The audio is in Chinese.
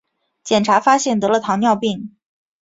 检查发现得了糖尿病